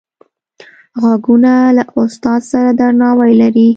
غوږونه له استاد سره درناوی لري